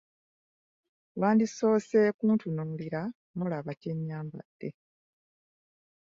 Wandisoose kuntunuulira n'olaba kye nnyambadde.